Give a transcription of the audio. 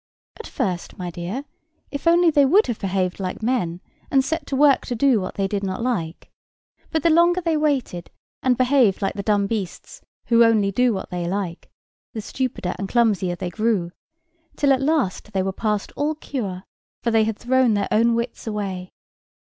"At first, my dear; if only they would have behaved like men, and set to work to do what they did not like. But the longer they waited, and behaved like the dumb beasts, who only do what they like, the stupider and clumsier they grew; till at last they were past all cure, for they had thrown their own wits away.